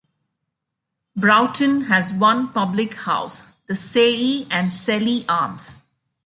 Broughton has one public house, the Saye and Sele Arms.